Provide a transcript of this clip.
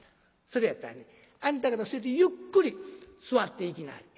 それやったらねあんた方はそれでゆっくり座っていきなはれ。